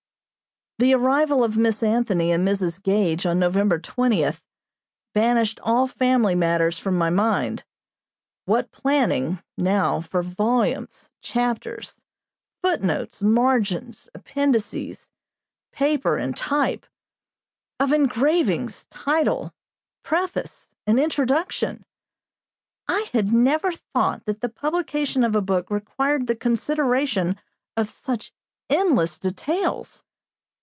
The arrival of Miss Anthony and Mrs. Gage, on November 20, banished all family matters from my mind. What planning, now, for volumes, chapters, footnotes, margins, appendices, paper, and type; of engravings, title, preface, and introduction! I had never thought that the publication of a book required the consideration of such endless details.